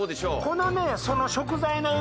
このね。